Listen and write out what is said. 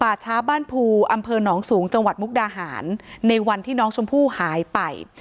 ช้าบ้านภูอำเภอหนองสูงจังหวัดมุกดาหารในวันที่น้องชมพู่หายไป